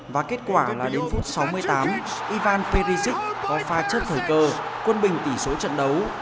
và kết quả là đến phút sáu mươi tám ivan ferricis có pha chất thời cơ quân bình tỷ số trận đấu